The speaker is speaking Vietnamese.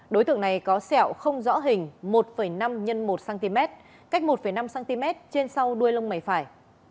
đối tượng này có sẹo không rõ hình một năm x một cm cách một năm cm trên sau đuôi lông mày phải